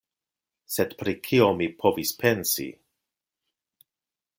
Sed pri kio mi povis pensi?